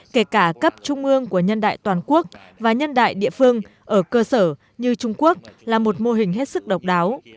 kể cả cấp trung ương của nhân đại toàn quốc và nhân đại địa phương ở cơ sở như trung quốc là một mô hình hết sức độc đáo